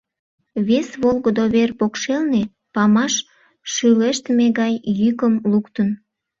Вес волгыдо вер покшелне памаш шӱлештме гай йӱкым луктын.